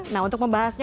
nah untuk membahasnya